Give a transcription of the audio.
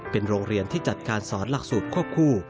เป็นโรงเรียนที่จัดการสอนหลักสูตรควบคู่